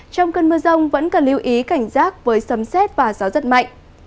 trong cơn mưa rông vẫn cần lưu ý cảnh giác với sấm xét và gió rất mạnh